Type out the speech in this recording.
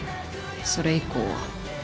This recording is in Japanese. それ以降は。